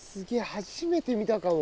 初めて見たかも。